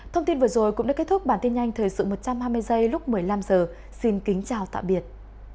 thông tin vừa rồi cũng đã kết thúc bản tin nhanh thời sự một trăm hai mươi giây lúc một mươi năm h xin kính chào tạm biệt